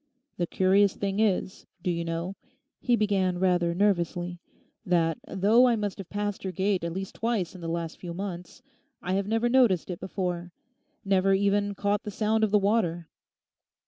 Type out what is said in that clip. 'The curious thing is, do you know,' he began rather nervously, 'that though I must have passed your gate at least twice in the last few months, I have never noticed it before, never even caught the sound of the water.